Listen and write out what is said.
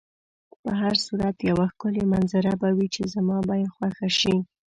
په هر صورت یوه ښکلې منظره به وي چې زما به یې خوښه شي.